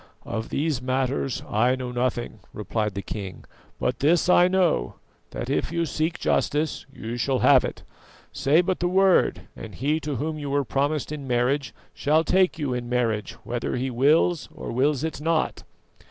"Of these matters I know nothing," replied the king; "but this I know, that if you seek justice you shall have it. Say but the word, and he to whom you were promised in marriage shall take you in marriage, whether he wills or wills it not."